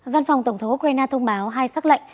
văn phòng tổng thống ukraine thông báo hai xác lệnh